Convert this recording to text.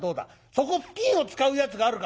そこ布巾を使うやつがあるか。